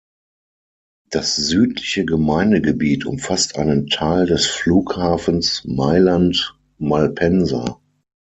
Das südliche Gemeindegebiet umfasst einen Teil des Flughafens Mailand-Malpensa.